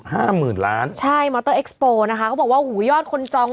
ห้าหมื่นล้านใช่มอเตอร์เอ็กซ์โปร์นะคะเขาบอกว่าหูยอดคนจอง